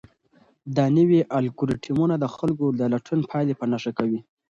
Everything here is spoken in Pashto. دا نوي الګوریتمونه د خلکو د لټون پایلې په نښه کوي.